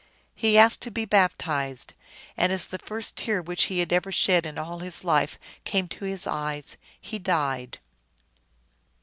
He asked to be baptized, and as the first tear which he had ever shed in all his life came to his eyes he died.